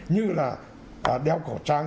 như là đeo khẩu trang